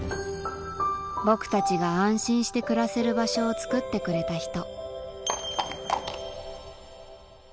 僕たちが安心して暮らせる場所を作ってくれた人